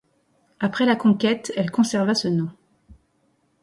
Après la conquête, elle conserva ce nom.